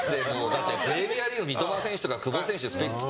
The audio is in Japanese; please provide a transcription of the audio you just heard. だって、プレミアリーグ三笘選手とか久保選手